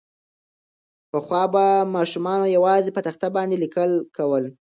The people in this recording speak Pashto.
پخوا به ماسومانو یوازې په تخته باندې لیکل کول.